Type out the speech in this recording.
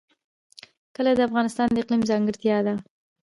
کلي د افغانستان د اقلیم ځانګړتیا ده.